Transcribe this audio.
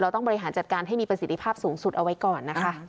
ต้องบริหารจัดการให้มีประสิทธิภาพสูงสุดเอาไว้ก่อนนะคะ